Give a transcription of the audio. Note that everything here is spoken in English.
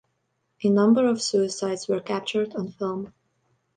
A number of suicides were captured on film.